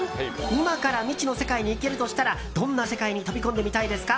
今から未知の世界に行けるとしたらどんな世界に飛び込んでみたいですか？